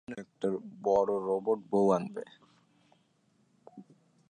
নিজের জন্য একটা বড় রোবট বউ আনবে?